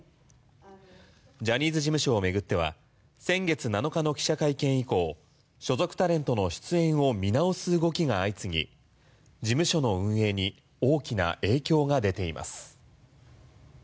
ジャニーズ事務所を巡っては先月７日の記者会見以降所属タレントの出演を見直す動きが相次ぎ事務所の運営に大きな影響が出ています。